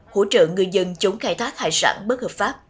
hỗ trợ người dân chống khai thác hải sản bất hợp pháp